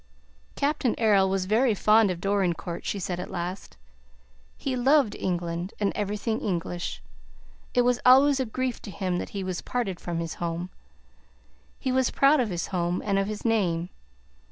"Captain Errol was very fond of Dorincourt," she said at last. "He loved England, and everything English. It was always a grief to him that he was parted from his home. He was proud of his home, and of his name.